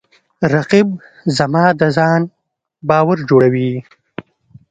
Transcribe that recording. رقیب زما د ځان باور جوړوي